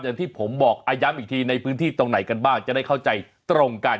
อย่างที่ผมบอกย้ำอีกทีในพื้นที่ตรงไหนกันบ้างจะได้เข้าใจตรงกัน